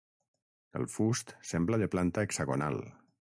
El fust sembla de planta hexagonal.